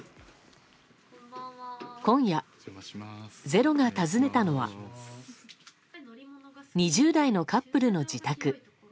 今夜「ｚｅｒｏ」が訪ねたのは２０代のカップルの自宅。